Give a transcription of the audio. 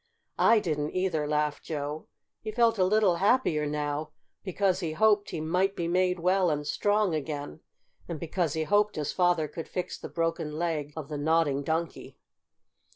"I didn't either!" laughed Joe. He felt a little happier now, because he hoped he might be made well and strong again, and because he hoped his father could fix the broken leg of the Nodding Donkey.